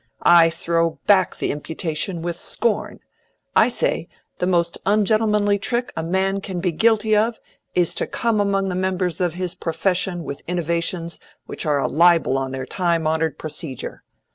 I throw back the imputation with scorn. I say, the most ungentlemanly trick a man can be guilty of is to come among the members of his profession with innovations which are a libel on their time honored procedure.